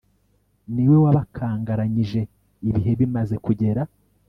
ni we wabakangaranyije ibihe bimaze kugera